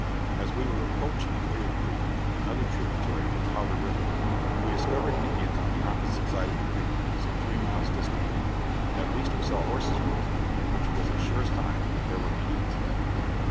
As we were approaching Clear Creek, another tributary of Powder river, we discovered Indians on the opposite side of the creek, some three miles distant; at least we saw horses grazing, which was a sure sign that there were Indians there.